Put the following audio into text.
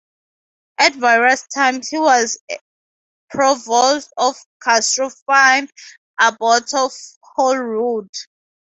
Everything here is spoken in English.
At various times he was provost of Corstorphine, abbot of Holyrood.